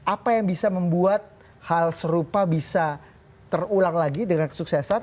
apa yang bisa membuat hal serupa bisa terulang lagi dengan kesuksesan